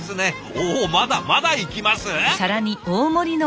おまだまだいきます！？